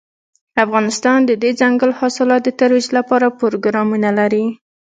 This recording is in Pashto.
افغانستان د دځنګل حاصلات د ترویج لپاره پروګرامونه لري.